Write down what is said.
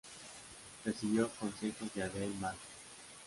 Recibió consejos de Adele Marcus.